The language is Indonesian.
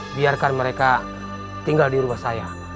biarkan mereka tinggal di rumah saya